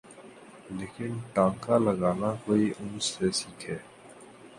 لیکن ٹانکا لگانا کوئی ان سے سیکھے۔